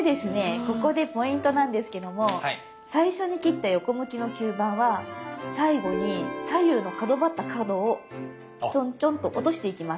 ここでポイントなんですけども最初に切った横向きの吸盤は最後に左右の角張った角をちょんちょんと落としていきます。